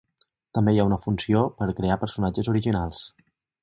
També hi ha una funció per crear personatges originals.